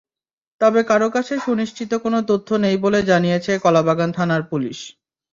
তবে কারও কাছে সুনিশ্চিত কোনো তথ্য নেই বলে জানিয়েছে কলাবাগান থানার পুলিশ।